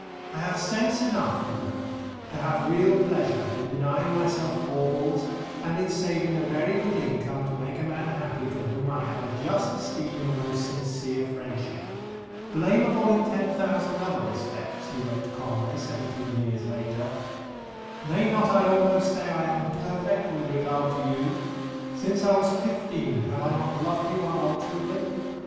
"I have sense enough," he wrote, "to have real pleasure in denying myself baubles, and in saving a very good income to make a man happy for whom I have a just esteem and most sincere friendship." "Blameable in ten thousand other respects," he wrote to Conway seventeen years later, "may not I almost say I am perfect with regard to you? Since I was fifteen have I not loved you unalterably?"